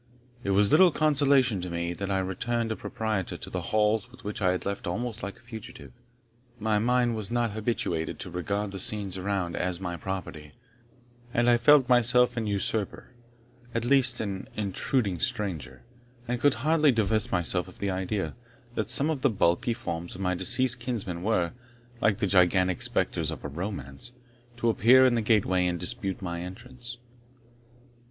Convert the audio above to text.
It was little consolation to me, that I returned a proprietor to the halls which I had left almost like a fugitive. My mind was not habituated to regard the scenes around as my property, and I felt myself an usurper, at least an intruding stranger, and could hardly divest myself of the idea, that some of the bulky forms of my deceased kinsmen were, like the gigantic spectres of a romance, to appear in the gateway, and dispute my entrance.